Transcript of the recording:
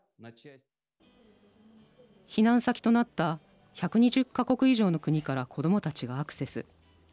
避難先となった１２０か国以上の国から子どもたちがアクセス。